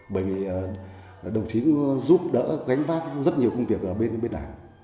bởi vì đồng chí giúp đỡ gánh vác rất nhiều công việc ở bên đảng